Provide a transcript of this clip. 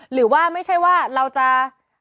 หรือว่าไม่ใช่ว่าเราจะ